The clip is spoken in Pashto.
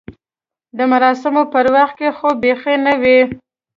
د مراسمو پر وخت کې خو بیخي نه و.